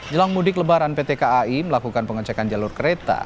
jelang mudik lebaran pt kai melakukan pengecekan jalur kereta